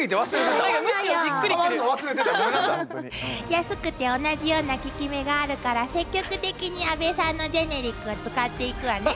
安くて同じような効き目があるから積極的に阿部さんのジェネリックを使っていくわね。